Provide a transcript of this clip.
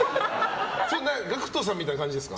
ＧＡＣＫＴさんみたいな感じですか？